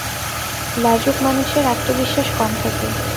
লাজুক মানুষের আত্মবিশ্বাস কম থাকে।